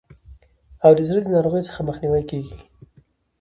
او د زړه د ناروغیو څخه مخنیوی کیږي.